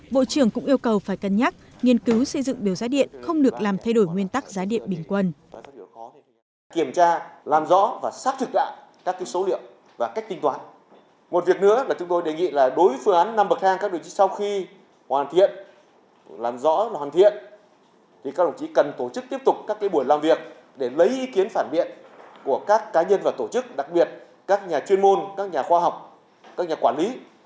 bộ trưởng cũng yêu cầu phải cân nhắc nghiên cứu xây dựng biểu giá điện không được làm thay đổi nguyên tắc giá điện bình quân